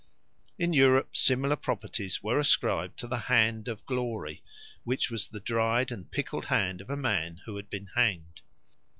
In Europe similar properties were ascribed to the Hand of Glory, which was the dried and pickled hand of a man who had been hanged.